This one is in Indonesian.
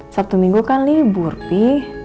sabtu minggu kan libur pi